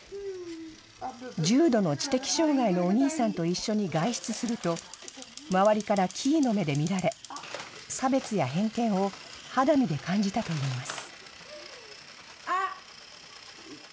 重度の知的障害のお兄さんと一緒に外出すると、周りから奇異の目で見られ、差別や偏見を肌身で感じたといいます。